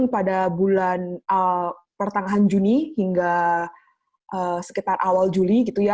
pada bulan pertengahan juni hingga sekitar awal juli